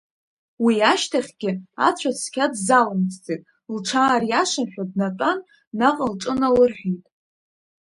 Уи ашьҭахгьы ацәа цқьа дзалымҵӡеит, лҽаариашашәа днатәан, наҟ лҿы налырҳәит.